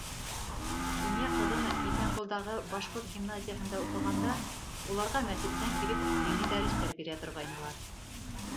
Кинйә ҡыҙым Иҫәнғолдағы башҡорт гимназияһында уҡығанда, уларға мәсеттән килеп дини дәрестәр бирә торғайнылар.